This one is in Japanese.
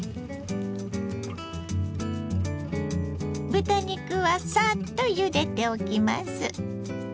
豚肉はさっとゆでておきます。